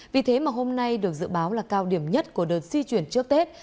vì thế mà hôm nay được dự báo là cao điểm nhất của đợt di chuyển trước tết